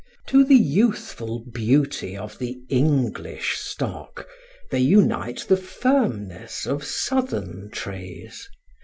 To the youthful beauty of the English stock they unite the firmness of Southern traits.